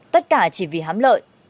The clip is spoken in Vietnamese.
tất cả chỉ vì hám lợi